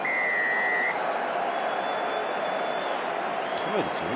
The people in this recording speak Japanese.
トライですよね。